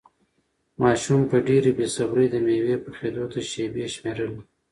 ماشوم په ډېرې بې صبري د مېوې پخېدو ته شېبې شمېرلې.